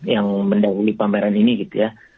yang mendahului pameran ini gitu ya